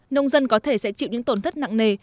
nông dân có thể sẽ chịu những tổn thất nặng nề